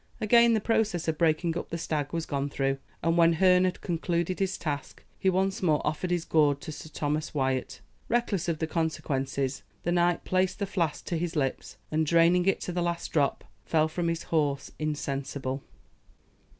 Again the process of breaking up the stag was gone through; and when Herne had concluded his task, he once more offered his gourd to Sir Thomas Wyat. Reckless of the consequences, the knight placed the flask to his lips, and draining it to the last drop, fell from his horse insensible.